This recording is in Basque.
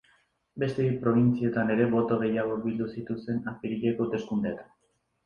Beste bi probintzietan ere boto gehiago bildu zituzten apirileko hauteskundeetan.